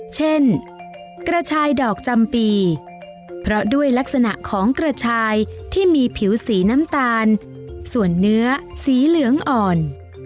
เช่นกระชายดอกจำปีเพราะด้วยลักษณะของกระชายที่มีผิวสีน้ำตาลส่วนเนื้อสีเหลืองอ่อน